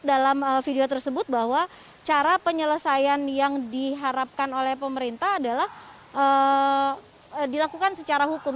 dalam video tersebut bahwa cara penyelesaian yang diharapkan oleh pemerintah adalah dilakukan secara hukum